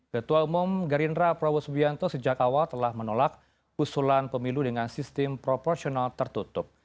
ketua umum gerindra prabowo subianto sejak awal telah menolak usulan pemilu dengan sistem proporsional tertutup